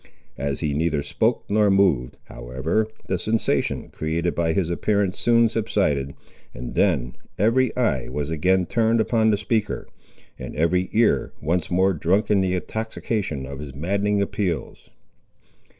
As he neither spoke nor moved, however, the sensation created by his appearance soon subsided, and then every eye was again turned upon the speaker, and every ear once more drunk in the intoxication of his maddening appeals.